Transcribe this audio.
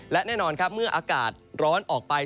และแน่นอนครับเมื่ออากาศร้อนออกไป